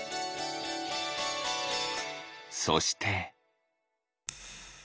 そして。